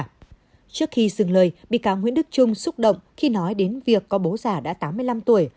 trước khi dừng lời bị cáo nguyễn đức trung xúc động khi nói đến việc có bố già đã tám mươi năm tuổi